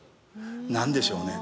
何でしょうね